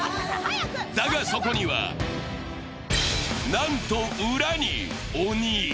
だが、そこには、なんと裏に鬼。